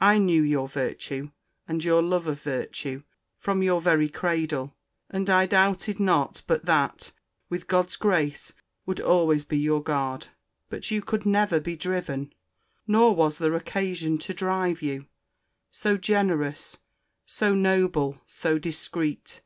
I knew your virtue, and your love of virtue, from your very cradle; and I doubted not but that, with God's grace, would always be your guard. But you could never be driven; nor was there occasion to drive you—so generous, so noble, so discreet.